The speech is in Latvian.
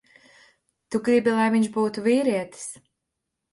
Tu gribi, lai viņš būtu vīrietis.